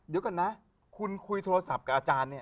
เดี๋ยวก่อนนะคุณคุยโทรศัพท์กับอาจารย์เนี่ย